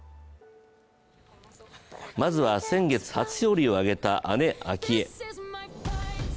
まずは先月初勝利を挙げた姉・明愛。